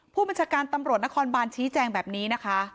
ผู้บัญชาการตำรวจนครบานชี้แจงแบบนี้นะคะ